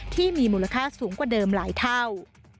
ที่มีมูลค่าสูงกว่าเดิมหลายเท่า